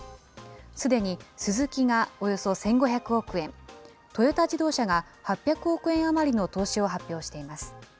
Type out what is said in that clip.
すでにスズキがおよそ１５００億円、トヨタ自動車が８００億円余りの投資を発表しています。